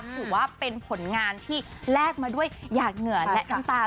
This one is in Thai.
ถือว่าเป็นผลงานที่แลกมาด้วยหยาดเหงื่อและน้ำตา